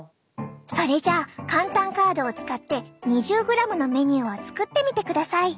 それじゃあかん・たんカードを使って２０ｇのメニューを作ってみてください。